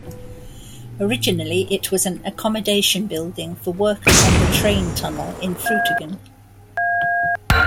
Originally it was an accommodation building for workers on the train tunnel in Frutigen.